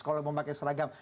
kalau memakai seragam